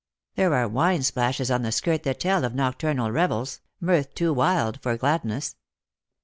There are wine splashes on the skirt that tell of nocturnal revels, mirth too wild, for gladness.